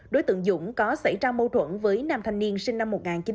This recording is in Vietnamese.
đối tượng dũng có xảy ra mâu thuẫn với nam thanh niên sinh năm một nghìn chín trăm tám mươi